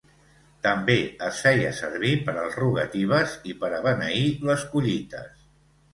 També es feia servir per a les rogatives i per a beneir les collites.